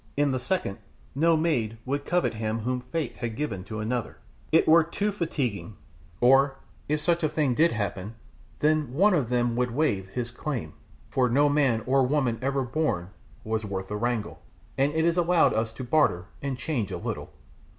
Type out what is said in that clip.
In the second, no maid would covet him whom fate had given to another, it were too fatiguing, or if such a thing DID happen, then one of them would waive his claims, for no man or woman ever born was worth a wrangle, and it is allowed us to barter and change a little."